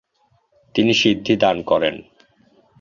তিনি সিদ্ধি দান করেন।